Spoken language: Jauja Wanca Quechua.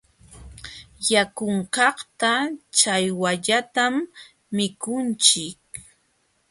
Yakunkaqta ćhawallatam mikunchik.